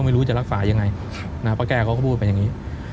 ไม่รู้จะรักษายังไงป้าแก้วเขาก็พูดไปอย่างนี้